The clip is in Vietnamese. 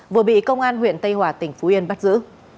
vừa bị công an huyện tây hòa tỉnh phú yên bắt giữ